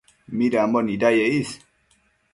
midambo nidaye is